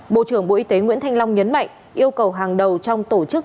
bộ trưởng bộ y tế nguyễn thanh long nhấn mạnh yêu cầu hàng đầu trong tổ chức